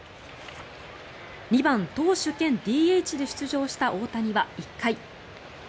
２番投手兼ＤＨで出場した大谷は１回。